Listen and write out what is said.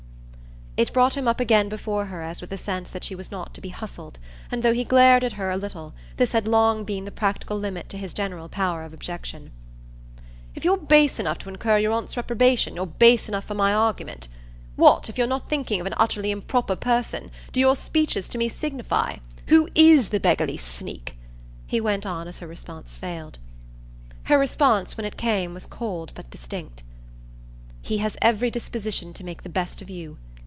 It brought him up again before her as with a sense that she was not to be hustled, and though he glared at her a little this had long been the practical limit to his general power of objection. "If you're base enough to incur your aunt's reprobation you're base enough for my argument. What, if you're not thinking of an utterly improper person, do your speeches to me signify? Who IS the beggarly sneak?" he went on as her response failed. Her response, when it came, was cold but distinct. "He has every disposition to make the best of you.